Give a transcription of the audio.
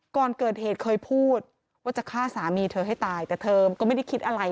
ก่อนเกิดเหตุเคยพูดว่าจะฆ่าสามีเธอให้ตายแต่เธอก็ไม่ได้คิดอะไร